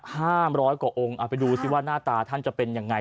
ห้ามร้อยกว่าองค์เอาไปดูสิว่าหน้าตาท่านจะเป็นยังไง